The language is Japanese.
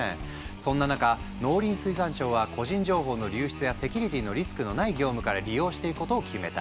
そんな中農林水産省は個人情報の流出やセキュリティーのリスクのない業務から利用していくことを決めた。